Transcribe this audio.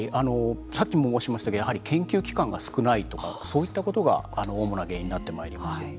さっきも申しましたけどやはり研究機関が少ないとかそういったことが主な原因になってまいります。